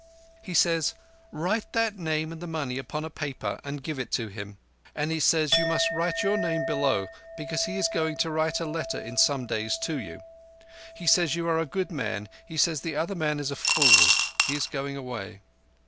"He says: 'Write that name and the money upon a paper and give it him.' And he says you must write your name below, because he is going to write a letter in some days to you. He says you are a good man. He says the other man is a fool. He is going away."